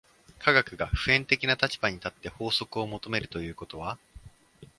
科学が普遍的な立場に立って法則を求めるということは、